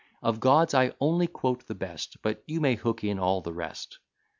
Of Gods I only quote the best, But you may hook in all the rest.